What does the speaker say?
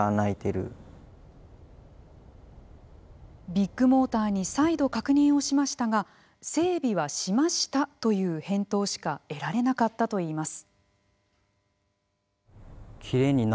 ビッグモーターに再度確認をしましたが整備はしましたという返答しか得られなかったといいます。